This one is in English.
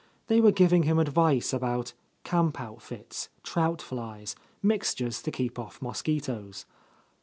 They were giving him advice about camp outfits, trout flies, mixtures to keep off mosquitoes.